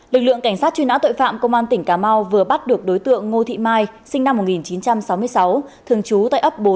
lực lượng cảnh sát truy nã tội phạm công an tỉnh cà mau vừa bắt được đối tượng ngô thị mai sinh năm một nghìn chín trăm sáu mươi sáu thường trú tại ấp bốn